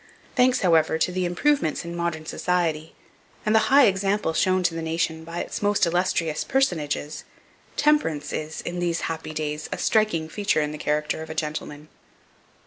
Thanks, however, to the improvements in modern society, and the high example shown to the nation by its most illustrious personages, temperance is, in these happy days, a striking feature in the character of a gentleman.